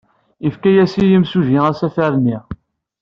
Yefka-as yimsujji asafar-ni.